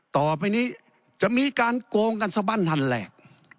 ต่อไปนี้จะมีการโกงกันสบั้นทันแหลก